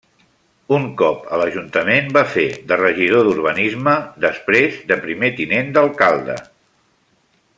Un cop a l'Ajuntament va fer de regidor d'Urbanisme després de primer tinent d'alcalde.